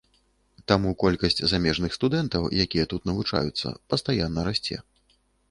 Таму колькасць замежных студэнтаў, якія тут навучаюцца, пастаянна расце.